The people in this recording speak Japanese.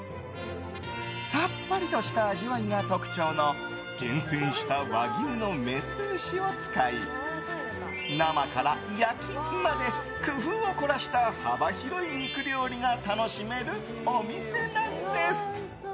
さっぱりとした味わいが特徴の厳選した和牛のメス牛を使い生から焼きまで工夫を凝らした幅広い肉料理が楽しめるお店なんです。